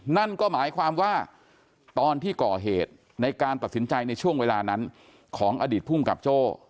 นั่นก็หมายความว่าตอนที่ก่อเหตุในการตัดสินใจในช่วงเวลานั้นของอดีตภูมิกับโจ้